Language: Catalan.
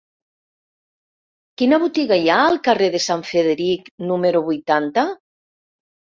Quina botiga hi ha al carrer de Sant Frederic número vuitanta?